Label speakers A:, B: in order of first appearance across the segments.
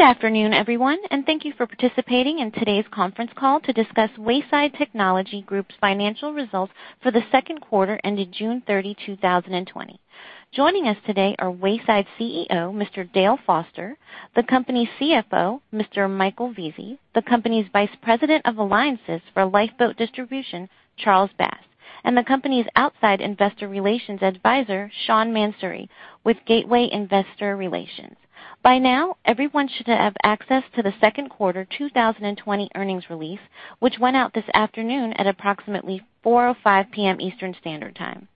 A: Good afternoon, everyone, and thank you for participating in today's conference call to discuss Wayside Technology Group's financial results for the Q2 ended June 30, 2020. Joining us today are Wayside CEO, Mr. Dale Foster, the company's CFO, Mr. Michael Vesey, the company's Vice President of Alliances for Lifeboat Distribution, Charles Bass, and the company's outside investor relations advisor, Sean Mansouri, with Gateway Investor Relations. By now, everyone should have access to the Q2 2020 earnings release, which went out this afternoon at approximately 4:05 P.M. Eastern Standard Time.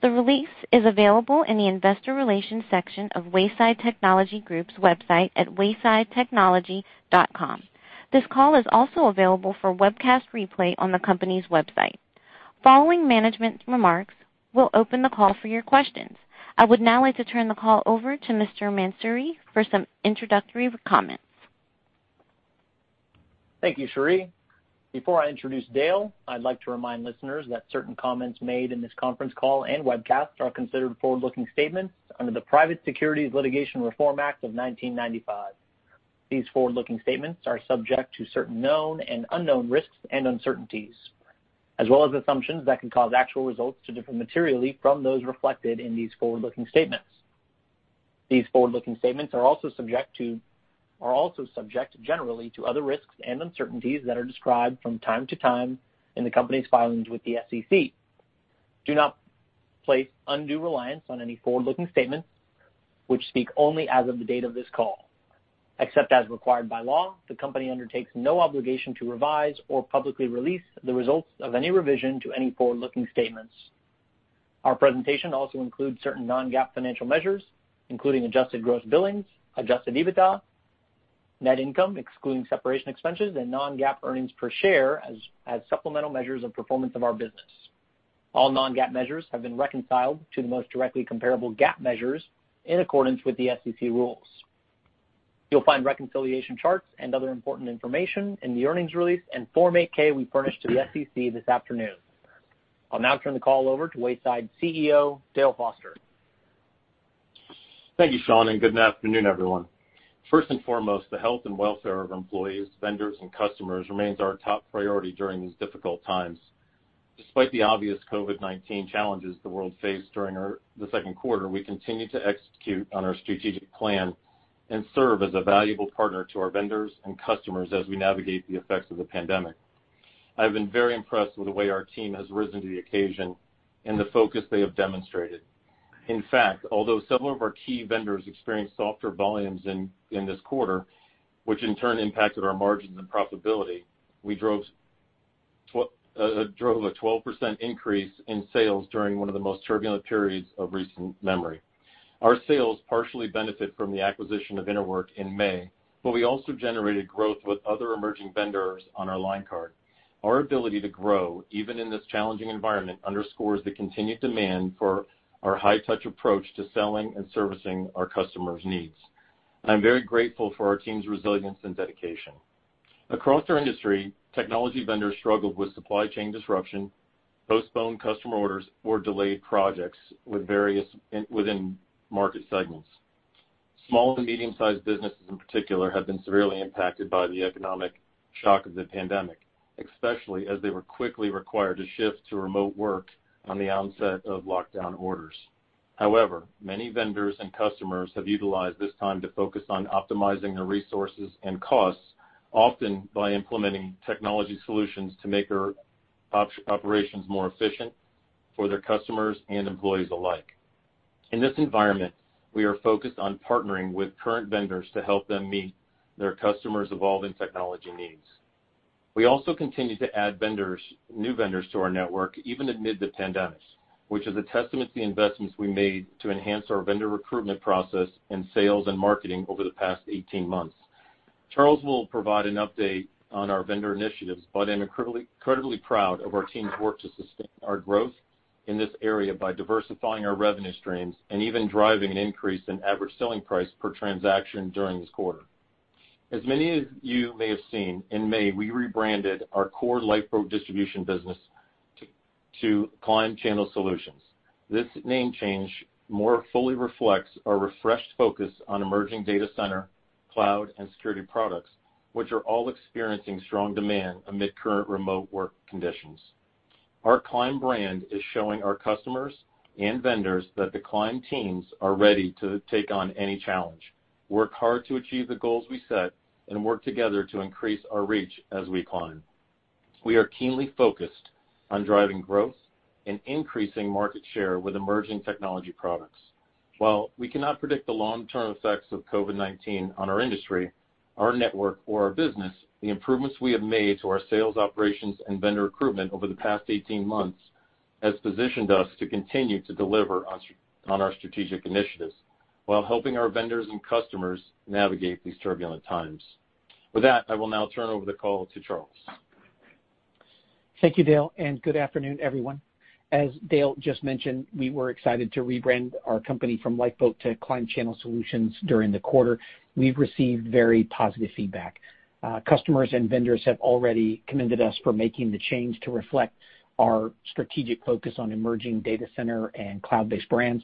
A: The release is available in the investor relations section of Wayside Technology Group's website at waysidetechnology.com. This call is also available for webcast replay on the company's website. Following management's remarks, we'll open the call for your questions. I would now like to turn the call over to Mr. Mansouri for some introductory comments.
B: Thank you, Cherie. Before I introduce Dale, I'd like to remind listeners that certain comments made in this conference call and webcast are considered forward-looking statements under the Private Securities Litigation Reform Act of 1995. These forward-looking statements are subject to certain known and unknown risks and uncertainties, as well as assumptions that can cause actual results to differ materially from those reflected in these forward-looking statements. These forward-looking statements are also subject generally to other risks and uncertainties that are described from time to time in the company's filings with the SEC. Do not place undue reliance on any forward-looking statements which speak only as of the date of this call. Except as required by law, the company undertakes no obligation to revise or publicly release the results of any revision to any forward-looking statements. Our presentation also includes certain non-GAAP financial measures, including adjusted gross billings, Adjusted EBITDA, net income excluding separation expenses, and non-GAAP earnings per share as supplemental measures of performance of our business. All non-GAAP measures have been reconciled to the most directly comparable GAAP measures in accordance with the SEC rules. You'll find reconciliation charts and other important information in the earnings release and Form 8-K we furnished to the SEC this afternoon. I'll now turn the call over to Wayside CEO, Dale Foster.
C: Thank you, Sean, and good afternoon, everyone. First and foremost, the health and welfare of employees, vendors, and customers remains our top priority during these difficult times. Despite the obvious COVID-19 challenges the world faced during the Q2, we continue to execute on our strategic plan and serve as a valuable partner to our vendors and customers as we navigate the effects of the pandemic. I've been very impressed with the way our team has risen to the occasion and the focus they have demonstrated. In fact, although several of our key vendors experienced softer volumes in this quarter, which in turn impacted our margins and profitability, we drove a 12% increase in sales during one of the most turbulent periods of recent memory. Our sales partially benefit from the acquisition of InterWork in May, but we also generated growth with other emerging vendors on our line card. Our ability to grow, even in this challenging environment, underscores the continued demand for our high-touch approach to selling and servicing our customers' needs. I'm very grateful for our team's resilience and dedication. Across our industry, technology vendors struggled with supply chain disruption, postponed customer orders, or delayed projects within market segments. Small- and medium-sized businesses in particular have been severely impacted by the economic shock of the pandemic, especially as they were quickly required to shift to remote work on the onset of lockdown orders. However, many vendors and customers have utilized this time to focus on optimizing their resources and costs, often by implementing technology solutions to make their operations more efficient for their customers and employees alike. In this environment, we are focused on partnering with current vendors to help them meet their customers' evolving technology needs. We also continue to add new vendors to our network, even amid the pandemic, which is a testament to the investments we made to enhance our vendor recruitment process in sales and marketing over the past 18 months. Charles will provide an update on our vendor initiatives, but I'm incredibly proud of our team's work to sustain our growth in this area by diversifying our revenue streams and even driving an increase in average selling price per transaction during this quarter. As many of you may have seen, in May, we rebranded our core Lifeboat Distribution business to Climb Channel Solutions. This name change more fully reflects our refreshed focus on emerging data center, cloud, and security products, which are all experiencing strong demand amid current remote work conditions. Our Climb brand is showing our customers and vendors that the Climb teams are ready to take on any challenge, work hard to achieve the goals we set, and work together to increase our reach as we climb. We are keenly focused on driving growth and increasing market share with emerging technology products. While we cannot predict the long-term effects of COVID-19 on our industry, our network, or our business, the improvements we have made to our sales operations and vendor recruitment over the past 18 months has positioned us to continue to deliver on our strategic initiatives while helping our vendors and customers navigate these turbulent times. With that, I will now turn over the call to Charles.
D: Thank you, Dale, and good afternoon, everyone. As Dale just mentioned, we were excited to rebrand our company from Lifeboat to Climb Channel Solutions during the quarter. We've received very positive feedback. Customers and vendors have already commended us for making the change to reflect our strategic focus on emerging data center and cloud-based brands.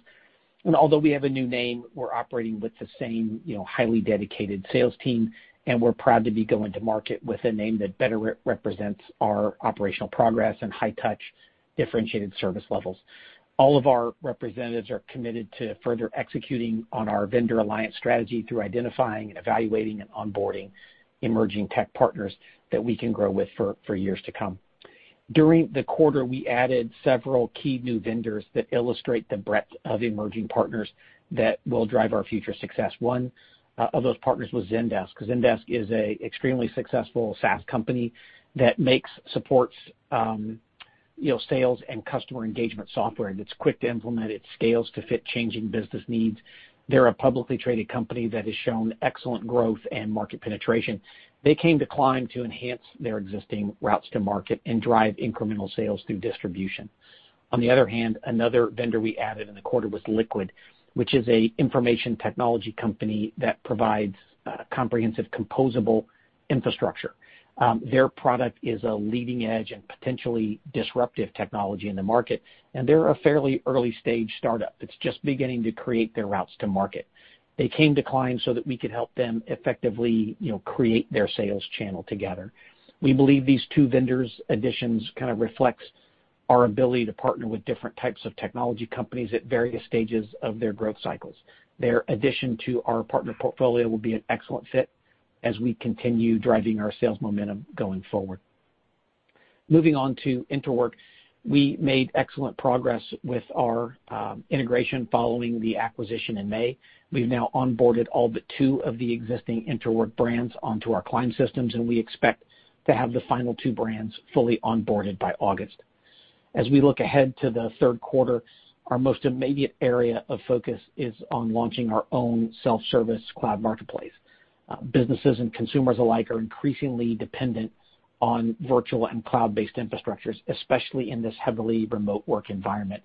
D: Although we have a new name, we're operating with the same highly dedicated sales team, and we're proud to be going to market with a name that better represents our operational progress and high touch, differentiated service levels. All of our representatives are committed to further executing on our vendor alliance strategy through identifying and evaluating and onboarding emerging tech partners that we can grow with for years to come. During the quarter, we added several key new vendors that illustrate the breadth of emerging partners that will drive our future success. One of those partners was Zendesk. Zendesk is a extremely successful SaaS company that makes supports sales and customer engagement software that's quick to implement, it scales to fit changing business needs. They're a publicly traded company that has shown excellent growth and market penetration. They came to Climb to enhance their existing routes to market and drive incremental sales through distribution. Another vendor we added in the quarter was Liqid, which is a information technology company that provides comprehensive composable infrastructure. Their product is a leading edge and potentially disruptive technology in the market, and they're a fairly early-stage startup that's just beginning to create their routes to market. They came to Climb so that we could help them effectively create their sales channel together. We believe these two vendors' additions kind of reflects our ability to partner with different types of technology companies at various stages of their growth cycles. Their addition to our partner portfolio will be an excellent fit as we continue driving our sales momentum going forward. Moving on to InterWork. We made excellent progress with our integration following the acquisition in May. We've now onboarded all but two of the existing InterWork brands onto our Climb systems, and we expect to have the final two brands fully onboarded by August. We look ahead to the Q3, our most immediate area of focus is on launching our own self-service cloud marketplace. Businesses and consumers alike are increasingly dependent on virtual and cloud-based infrastructures, especially in this heavily remote work environment.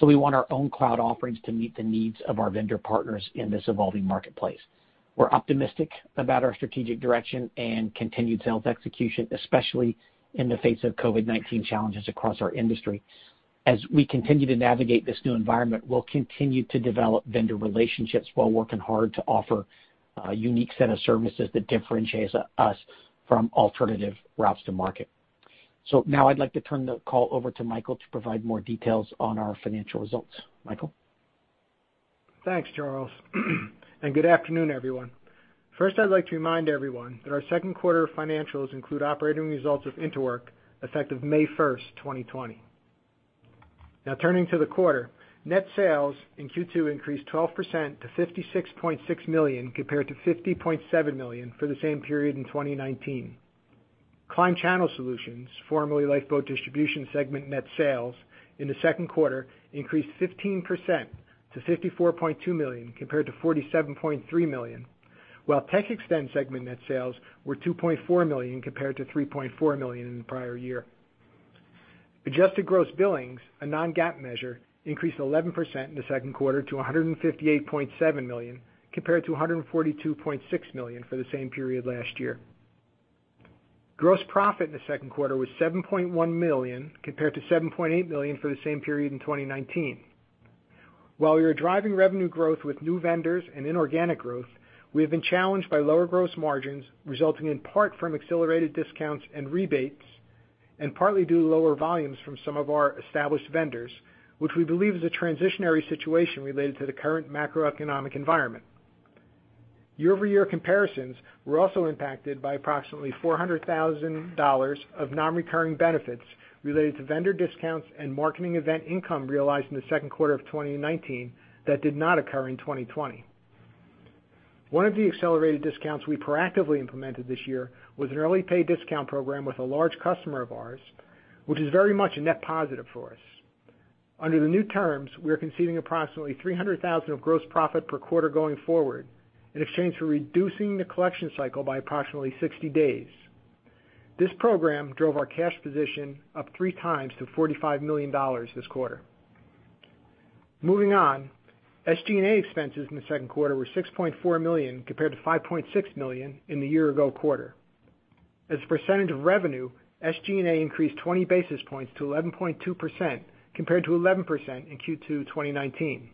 D: We want our own cloud offerings to meet the needs of our vendor partners in this evolving marketplace. We're optimistic about our strategic direction and continued sales execution, especially in the face of COVID-19 challenges across our industry. We continue to navigate this new environment, we'll continue to develop vendor relationships while working hard to offer a unique set of services that differentiates us from alternative routes to market. Now I'd like to turn the call over to Michael to provide more details on our financial results. Michael?
E: Thanks, Charles. Good afternoon, everyone. First, I'd like to remind everyone that our Q2 financials include operating results of InterWork, effective May 1st, 2020. Turning to the quarter, net sales in Q2 increased 12% to $56.6 million compared to $50.7 million for the same period in 2019. Climb Channel Solutions, formerly Lifeboat Distribution segment net sales in the Q2 increased 15% to $54.2 million compared to $47.3 million, while TechXtend segment net sales were $2.4 million compared to $3.4 million in the prior year. Adjusted gross billings, a non-GAAP measure, increased 11% in the Q2 to $158.7 million, compared to $142.6 million for the same period last year. Gross profit in the Q2 was $7.1 million, compared to $7.8 million for the same period in 2019. While we are driving revenue growth with new vendors and inorganic growth, we have been challenged by lower gross margins, resulting in part from accelerated discounts and rebates, and partly due to lower volumes from some of our established vendors, which we believe is a transitionary situation related to the current macroeconomic environment. Year-over-year comparisons were also impacted by approximately $400,000 of non-recurring benefits related to vendor discounts and marketing event income realized in the Q2 of 2019 that did not occur in 2020. One of the accelerated discounts we proactively implemented this year was an early pay discount program with a large customer of ours, which is very much a net positive for us. Under the new terms, we are conceding approximately $300,000 of gross profit per quarter going forward in exchange for reducing the collection cycle by approximately 60 days. This program drove our cash position up three times to $45 million this quarter. Moving on. SG&A expenses in the Q2 were $6.4 million compared to $5.6 million in the year ago quarter. As a percentage of revenue, SG&A increased 20 basis points to 11.2% compared to 11% in Q2 2019.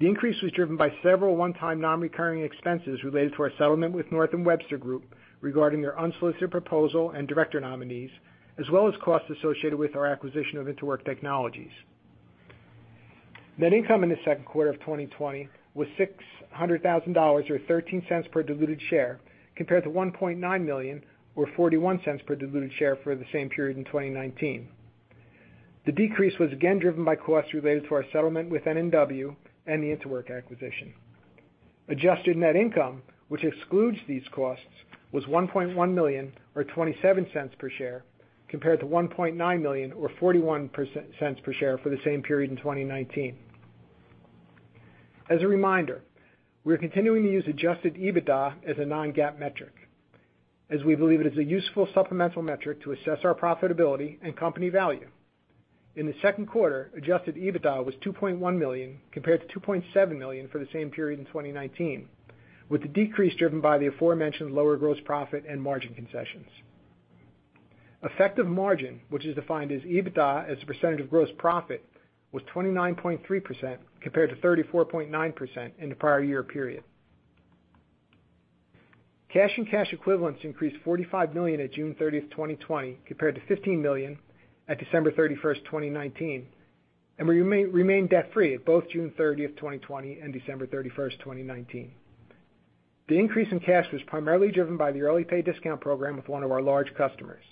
E: The increase was driven by several one-time non-recurring expenses related to our settlement with North & Webster Group regarding their unsolicited proposal and director nominees, as well as costs associated with our acquisition of InterWork Technologies. Net income in the Q2 of 2020 was $600,000 or $0.13 per diluted share, compared to $1.9 million or $0.41 per diluted share for the same period in 2019. The decrease was again driven by costs related to our settlement with NW and the InterWork acquisition. Adjusted net income, which excludes these costs, was $1.1 million or $0.27 per share, compared to $1.9 million or $0.41 per share for the same period in 2019. As a reminder, we are continuing to use Adjusted EBITDA as a non-GAAP metric, as we believe it is a useful supplemental metric to assess our profitability and company value. In the Q2, Adjusted EBITDA was $2.1 million compared to $2.7 million for the same period in 2019, with the decrease driven by the aforementioned lower gross profit and margin concessions. Effective margin, which is defined as EBITDA as a percentage of gross profit, was 29.3% compared to 34.9% in the prior year period. Cash and cash equivalents increased $45 million at June 30th, 2020 compared to $15 million at December 31st, 2019, and we remain debt-free at both June 30th, 2020 and December 31st, 2019. The increase in cash was primarily driven by the early pay discount program with one of our large customers.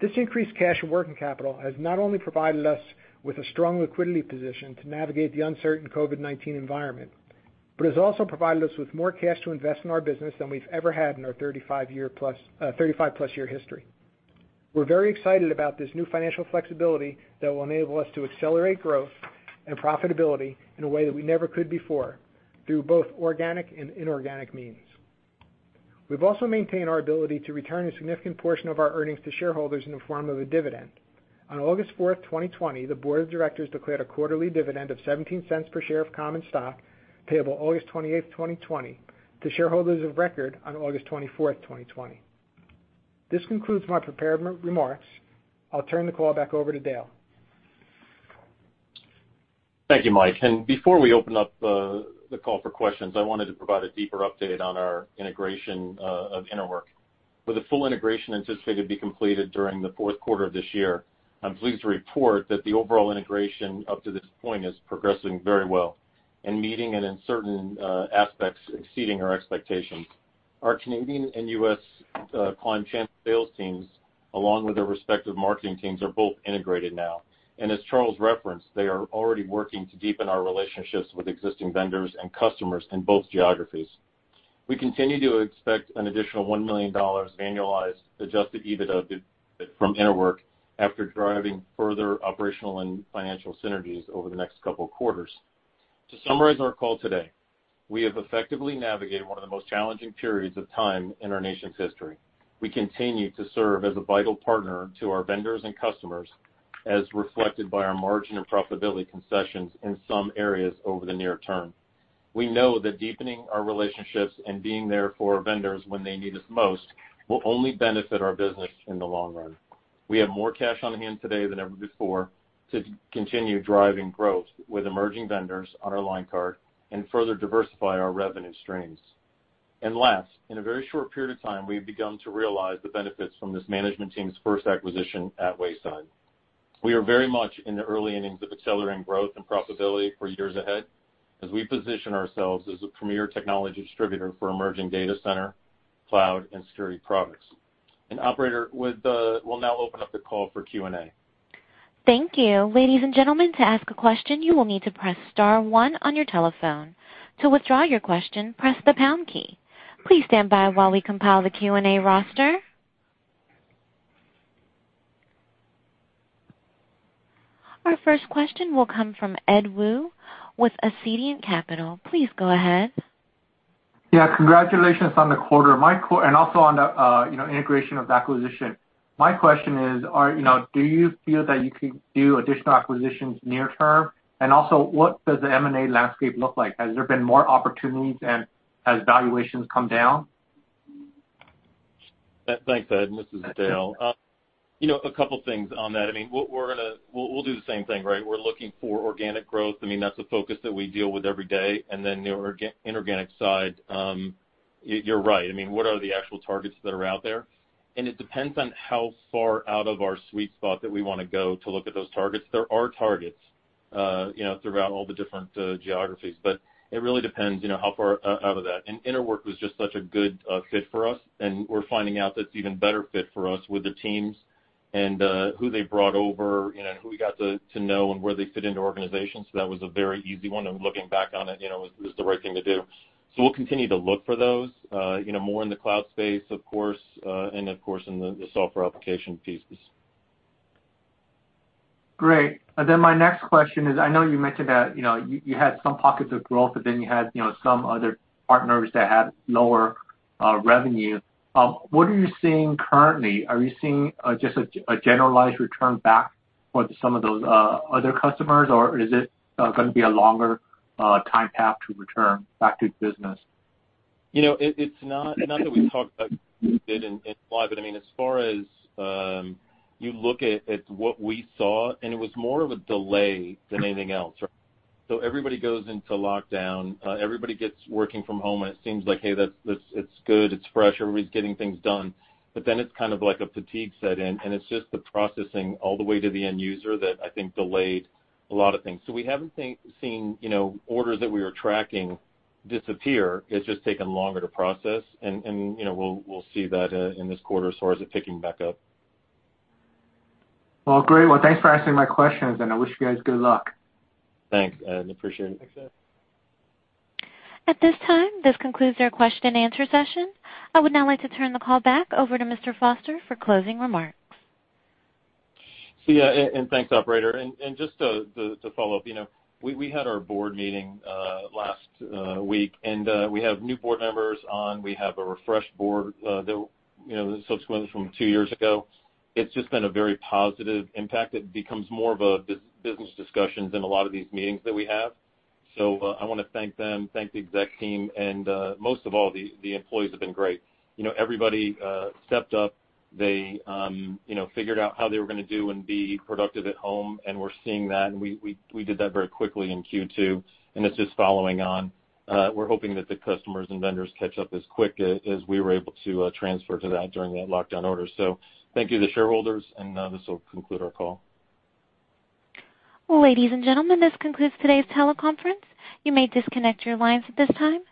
E: This increased cash and working capital has not only provided us with a strong liquidity position to navigate the uncertain COVID-19 environment, but has also provided us with more cash to invest in our business than we've ever had in our 35-plus year history. We're very excited about this new financial flexibility that will enable us to accelerate growth and profitability in a way that we never could before, through both organic and inorganic means. We've also maintained our ability to return a significant portion of our earnings to shareholders in the form of a dividend. On August 4th, 2020, the board of directors declared a quarterly dividend of $0.17 per share of common stock payable August 28th, 2020, to shareholders of record on August 24th, 2020. This concludes my prepared remarks. I'll turn the call back over to Dale.
C: Thank you, Mike. Before we open up the call for questions, I wanted to provide a deeper update on our integration of InterWork. With the full integration anticipated to be completed during the Q4 of this year, I'm pleased to report that the overall integration up to this point is progressing very well and meeting, and in certain aspects, exceeding our expectations. Our Canadian and U.S. Climb Global Solutions sales teams, along with their respective marketing teams, are both integrated now. As Charles referenced, they are already working to deepen our relationships with existing vendors and customers in both geographies. We continue to expect an additional $1 million annualized Adjusted EBITDA from InterWork after driving further operational and financial synergies over the next couple of quarters. To summarize our call today, we have effectively navigated one of the most challenging periods of time in our nation's history. We continue to serve as a vital partner to our vendors and customers, as reflected by our margin and profitability concessions in some areas over the near term. We know that deepening our relationships and being there for our vendors when they need us most will only benefit our business in the long run. We have more cash on hand today than ever before to continue driving growth with emerging vendors on our line card and further diversify our revenue streams. Last, in a very short period of time, we've begun to realize the benefits from this management team's first acquisition at Wayside. We are very much in the early innings of accelerating growth and profitability for years ahead as we position ourselves as a premier technology distributor for emerging data center, cloud, and security products. Operator, we'll now open up the call for Q&A.
A: Thank you. Ladies and gentlemen, to ask a question, you will need to press star one on your telephone. To withdraw your question, press the pound key. Please stand by while we compile the Q&A roster. Our first question will come from Ed Woo with Ascendiant Capital. Please go ahead.
F: Yeah. Congratulations on the quarter and also on the integration of the acquisition. My question is, do you feel that you could do additional acquisitions near term? Also, what does the M&A landscape look like? Has there been more opportunities, and has valuations come down?
C: Thanks, Ed. This is Dale. A couple of things on that. We'll do the same thing, right? We're looking for organic growth. That's a focus that we deal with every day. The inorganic side, you're right. What are the actual targets that are out there? It depends on how far out of our sweet spot that we want to go to look at those targets. There are targets throughout all the different geographies, it really depends how far out of that. InterWork was just such a good fit for us, and we're finding out that it's an even better fit for us with the teams and who they brought over, and who we got to know and where they fit into our organization. That was a very easy one, and looking back on it was the right thing to do. We'll continue to look for those, more in the cloud space, of course, and of course, in the software application pieces.
F: Great. My next question is, I know you mentioned that you had some pockets of growth, but then you had some other partners that had lower revenue. What are you seeing currently? Are you seeing just a generalized return back for some of those other customers, or is it going to be a longer time path to return back to business?
C: It's not that we talked about it in live, but as far as you look at what we saw, and it was more of a delay than anything else. Everybody goes into lockdown, everybody gets working from home, and it seems like, hey, it's good, it's fresh, everybody's getting things done. Then it's kind of like a fatigue set in, and it's just the processing all the way to the end user that I think delayed a lot of things. We haven't seen orders that we were tracking disappear. It's just taken longer to process, and we'll see that in this quarter as far as it picking back up.
F: Well, great. Well, thanks for answering my questions, and I wish you guys good luck.
C: Thanks, Ed. Appreciate it.
E: Thanks, Ed.
A: At this time, this concludes our question and answer session. I would now like to turn the call back over to Mr. Foster for closing remarks.
C: Thanks, operator. Just to follow up, we had our board meeting last week. We have new board members on. We have a refreshed board subsequent from two years ago. It's just been a very positive impact. It becomes more of a business discussion than a lot of these meetings that we have. I want to thank them, thank the exec team, and most of all, the employees have been great. Everybody stepped up. They figured out how they were going to do and be productive at home. We're seeing that. We did that very quickly in Q2. It's just following on. We're hoping that the customers and vendors catch up as quick as we were able to transfer to that during that lockdown order. Thank you to shareholders. This will conclude our call.
A: Ladies and gentlemen, this concludes today's teleconference. You may disconnect your lines at this time.